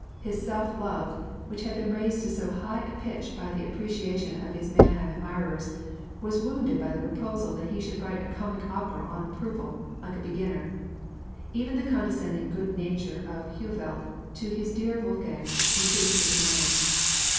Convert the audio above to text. His self love, which had been raised to so high a pitch by the appreciation of his Mannheim admirers, was wounded by the proposal that he should write a comic opera on approval, like a beginner. Even the condescending good nature of Heufeld to his "dear Wolfgang" increased his annoyance.